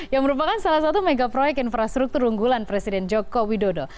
yang merupakan salah satu mega proyek infrastruktur unggulan presiden joko widodo